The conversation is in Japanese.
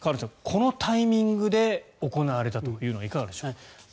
このタイミングで行われたというのはいかがでしょう。